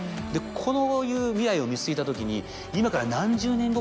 こういう未来を見据えたときに今から。